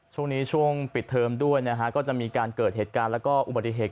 ช่วงนี้ช่วงปิดเทอมด้วยนะฮะก็จะมีการเกิดเหตุการณ์แล้วก็อุบัติเหตุ